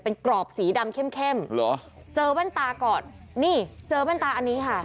เป็นกรอบสีดำเข้มเข้มเหรอเจอแว่นตาก่อนนี่เจอแว่นตาอันนี้ค่ะ